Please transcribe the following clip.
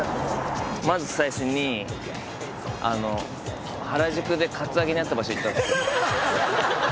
まず最初にあの原宿でカツアゲに遭った場所行ったんですよ。